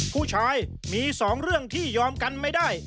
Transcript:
ผู้ชายมี๒เรื่องที่ยอมกันไม่ได้